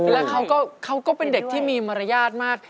แล้วเขาก็เป็นเด็กที่มีมารยาทมาก